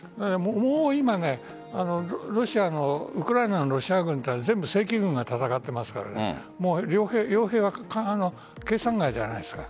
もう今ウクライナのロシア軍は正規軍が戦っているから傭兵は計算外じゃないですか。